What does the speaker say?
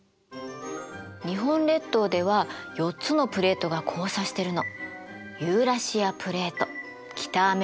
日本列島では４つのプレートが交差してるの。